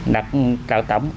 đặt đạo tổng